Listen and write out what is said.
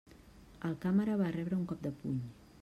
El càmera va rebre un cop de puny.